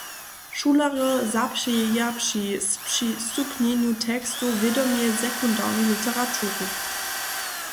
Šulerjo zapřijeja při spřistupnjenju tekstow wědomje sekundarnu literaturu.